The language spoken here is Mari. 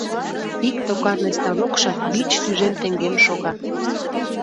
Ик токарный станокшак вич тӱжем теҥгем шога.